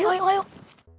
pesan tren kunanta